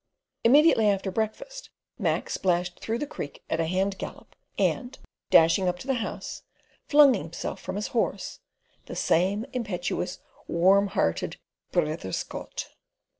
Immediately after breakfast Mac splashed through the creek at a hand gallop and, dashing up to the house, flung himself from his horse, the same impetuous, warmhearted "Brither Scot."